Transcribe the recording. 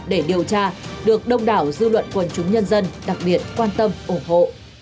để điều tra được đông đảo dư luận quần chúng nhân dân đặc biệt quan tâm ủng hộ